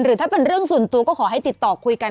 ถ้าเป็นเรื่องส่วนตัวก็ขอให้ติดต่อคุยกัน